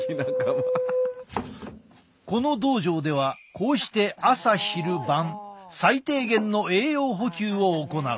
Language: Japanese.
この道場ではこうして朝昼晩最低限の栄養補給を行う。